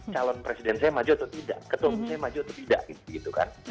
calon presiden saya maju atau tidak ketum saya maju atau tidak gitu kan